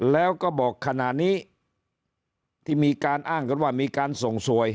แล้วก็บอกขณะนี้ที่มีการอ้างกันว่ามีการส่งสวย